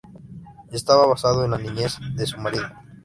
Está basado en la niñez de su marido.